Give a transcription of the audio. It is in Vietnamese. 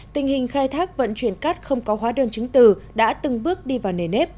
tình hình khai thác vận chuyển cát không có hóa đơn chứng từ đã từng bước đi vào nề nếp